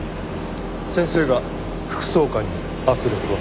先生が副総監に圧力を？